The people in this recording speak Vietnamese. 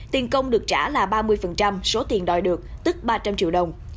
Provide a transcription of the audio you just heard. tiền công được trả là ba mươi số tiền đòi được tức ba trăm linh triệu đồng